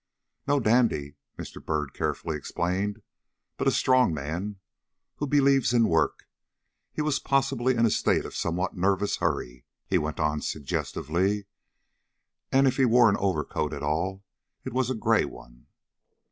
"No dandy," Mr. Byrd carefully explained, "but a strong man, who believes in work. He was possibly in a state of somewhat nervous hurry," he went on, suggestively, "and if he wore an overcoat at all, it was a gray one."